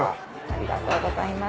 ありがとうございます。